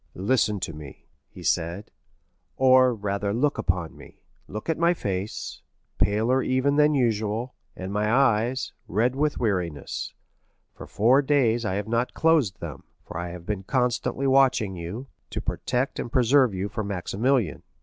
"Listen to me," he said, "or, rather, look upon me; look at my face, paler even than usual, and my eyes, red with weariness—for four days I have not closed them, for I have been constantly watching you, to protect and preserve you for Maximilian."